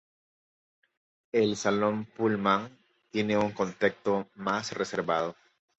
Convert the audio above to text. El salón "Pullman" tiene un contexto más reservado.